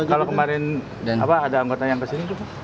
kalau kemarin ada anggota yang ke sini itu